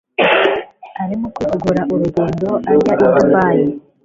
Arimo kwitegura urugendo ajya I dubayi